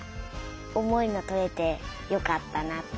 おもいのとれてよかったな。